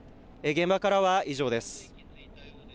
現場からは以上です。